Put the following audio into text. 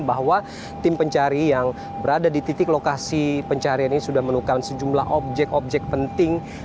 bahwa tim pencari yang berada di titik lokasi pencarian ini sudah menukar sejumlah objek objek penting